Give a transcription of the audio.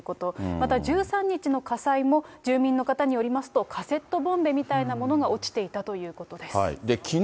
また１３日の火災も、住民の方によりますと、カセットボンベみたいなものが落ちていたということです。